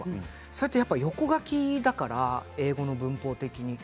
やっぱり横書きだから英語の文法的に。